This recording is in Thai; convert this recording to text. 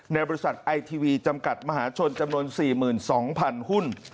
ในบริษัทไอทีวีจำกัดมหาชนจำนวน๔๒๐๐๐หุ้น